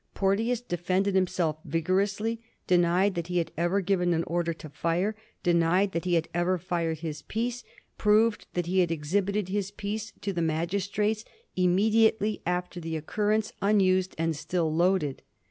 Porteous defended himself vigorously, denied that he had ever given an order to fire, denied that he had ever fired his piece, proved that he had exhibited his piece to the mag istrates immediately after the occurrence unused and still loaded.